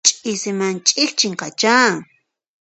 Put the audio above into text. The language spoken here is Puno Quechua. Ch'isiman chikchinqachá.